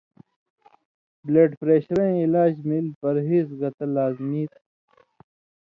بلڈ پریشرَیں علاج ملی پرہیز گتہ لازمی تُھو